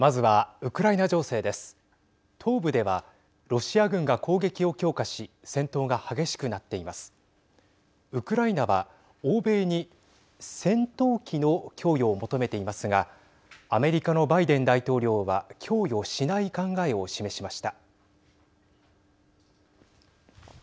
ウクライナは欧米に戦闘機の供与を求めていますがアメリカのバイデン大統領は供与しない考えを示しました。